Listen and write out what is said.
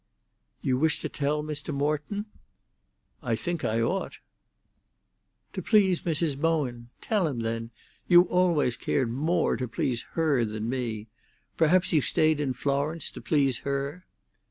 "You wish to tell Mr. Morton?" "I think I ought." "To please Mrs. Bowen! Tell him, then! You always cared more to please her than me. Perhaps you stayed in Florence to please her!"